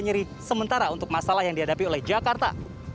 nyeri sementara untuk masalah yang dihadapi oleh jakarta